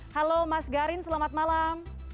halo mas garin selamat malam